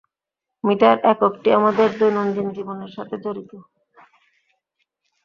Metre এককটি আমাদের দৈনন্দিন জীবনের সাথে জড়িত।